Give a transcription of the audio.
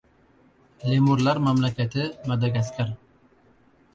Lemurlar mamlakati – Madagaskar